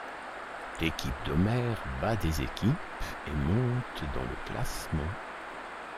L'équipe d'Homer bat des équipes et monte dans le classement.